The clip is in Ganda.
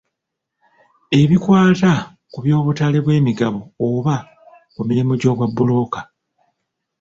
Ebikwata ku by'obutale bw'emigabo oba ku mirimu gy'obwabbulooka.